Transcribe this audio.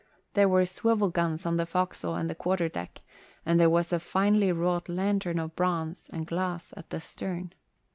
There were swivel guns on the forecastle and the quarter deck and there was a finely wrought lantern of bronze and glass at the stern.